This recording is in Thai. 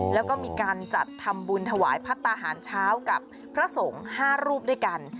แล้วก็มีการจัดทำบุญถวายพัฒนาหารเช้ากับพระสงฆ์๕รูปด้วยกัน